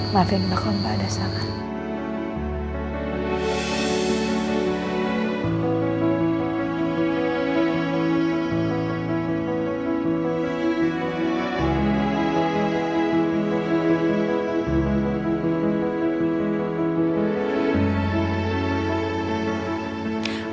maafin kalau mbak ada salah